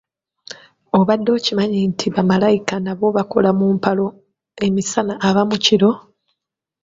Obadde okimanyi nti ba malayika nabo bakola mu mpalo emisana abamu kiro.